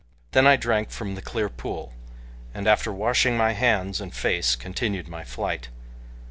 Then I drank from the clear pool, and after washing my hands and face continued my flight.